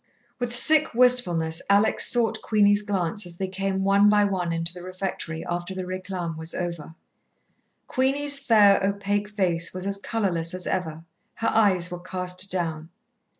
With sick wistfulness Alex sought Queenie's glance as they came one by one into the refectory, after the réclame was over. Queenie's fair, opaque face was as colourless as ever, her eyes were cast down.